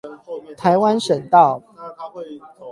台灣省道